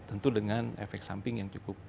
tentu dengan efek samping yang cukup